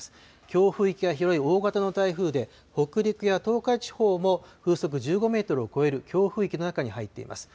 強風域が広い大型の台風で、北陸や東海地方も風速１５メートルを超える強風域の中に入っています。